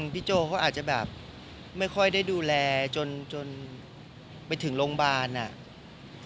โจ้เขาอาจจะแบบไม่ค่อยได้ดูแลจนไปถึงโรงพยาบาลอ่ะ